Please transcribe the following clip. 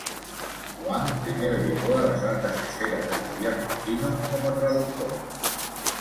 Huang primero llegó a las altas esferas del gobierno chino como traductor.